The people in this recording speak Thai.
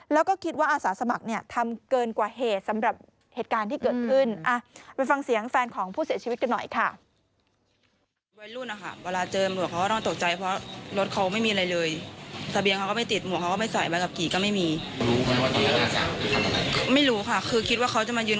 แล้วก็คิดว่าอาสาสมัครเนี่ยทำเกินกว่าเหตุสำหรับเหตุการณ์ที่เกิดขึ้น